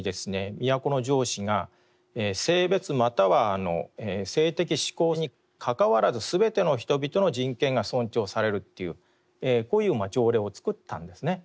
都城市が「性別又は性的指向にかかわらずすべての人々の人権が尊重される」というこういう条例を作ったんですね。